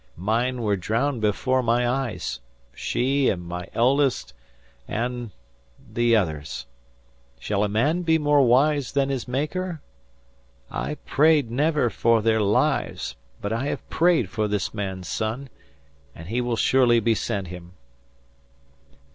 Mine were drowned before my eyes she and my eldest and the others. Shall a man be more wise than his Maker? I prayed never for their lives, but I have prayed for this man's son, and he will surely be sent him."